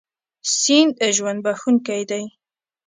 سیند ژوند بښونکی دی.